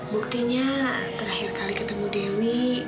buktinya terakhir kali ketemu dewi